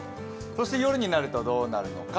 そして夜になるとどうなるのか。